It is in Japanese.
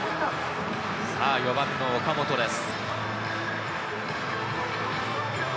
さぁ、４番の岡本です。